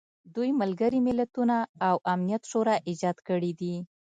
دوی ملګري ملتونه او امنیت شورا ایجاد کړي دي.